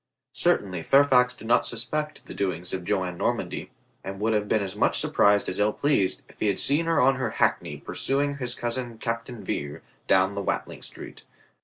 Certainly Fairfax did not suspect the doings of Joan Normandy, and would have been as much surprised as ill pleased if he had seen her on her hackney pursuing his cousin Captain Vere down the Watling Street.